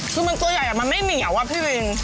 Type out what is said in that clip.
คือมันตัวใหญ่มันไม่เหนียวอะพี่วิน